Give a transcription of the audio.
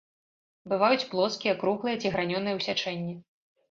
Бываюць плоскія, круглыя ці гранёныя ў сячэнні.